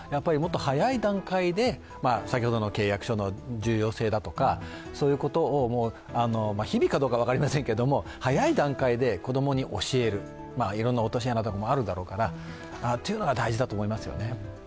もっと早い段階で先ほどの契約書の重要性だとか、そういうことを日々かどうか分かりませんけども、早い段階で子供に教える、いろんな落とし穴もあるだろうから、というのが大事だと思いますよね。